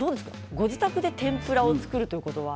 ご自宅で天ぷらを作るということは。